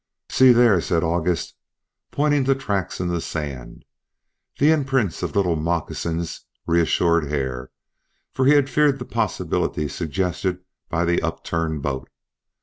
"See there," said August, pointing to tracks in the sand. The imprints of little moccasins reassured Hare, for he had feared the possibility suggested by the upturned boat.